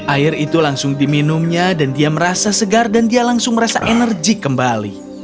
air itu langsung diminumnya dan dia merasa segar dan dia langsung merasa energi kembali